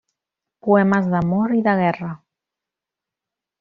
Poemes d'amor i de guerra.